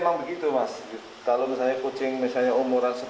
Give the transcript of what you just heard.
sicher ini untuk kucing enggak berantem